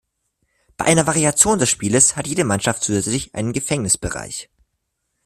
Bei einer Variation des Spieles hat jede Mannschaft zusätzlich einen „Gefängnis“-Bereich.